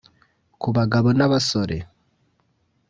ku bagabo n’ abasore